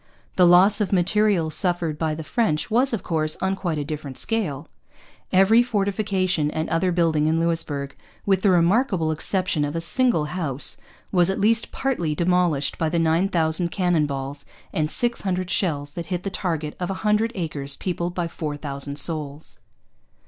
The loss of material suffered by the French was, of course, on quite a different scale. Every fortification and other building in Louisbourg, with the remarkable exception of a single house, was at least partly demolished by the nine thousand cannon balls and six hundred shells that hit the target of a hundred acres peopled by four thousand souls.